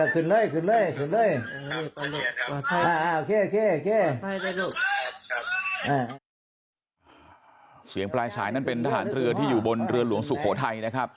ขึ้นเลยขึ้นเลย